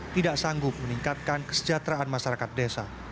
tidak sanggup meningkatkan kesejahteraan masyarakat desa